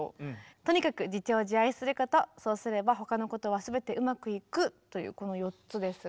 「とにかく自重自愛することそうすれば他のことはすべてうまくいく」。というこの４つですが。